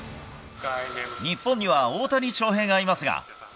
日本には大谷翔平がいますが。